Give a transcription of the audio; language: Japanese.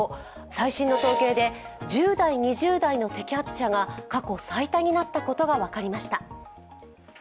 最新の統計で１０代、２０代の摘発者が過去最多になったことが分かりました。